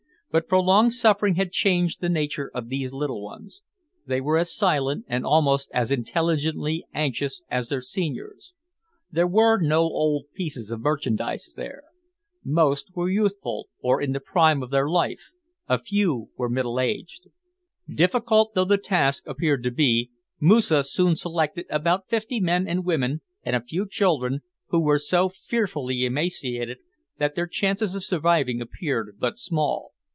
But prolonged suffering had changed the nature of these little ones. They were as silent and almost as intelligently anxious as their seniors. There were no old pieces of merchandise there. Most were youthful or in the prime of life; a few were middle aged. Difficult though the task appeared to be, Moosa soon selected about fifty men and women and a few children, who were so fearfully emaciated that their chance of surviving appeared but small.